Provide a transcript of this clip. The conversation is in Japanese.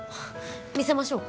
見せましょうか？